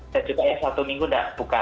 dan juga yang satu minggu tidak buka